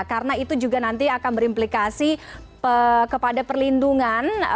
karena itu juga nanti akan berimplikasi kepada perlindungan